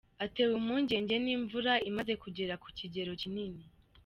Atewe impungenge n’imvura imaze kugera kukigero kinini